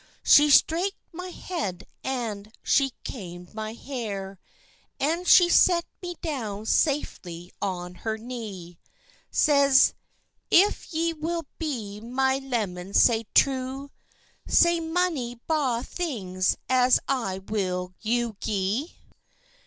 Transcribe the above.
She straik'd my head, and she kaim'd my hair, And she set me down saftly on her knee; Says—"If ye will be my leman sae true, Sae mony braw things as I will you gi'e."